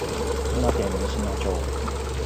福島県三島町